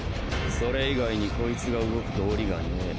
それ以外にこいつが動く道理が無ェ。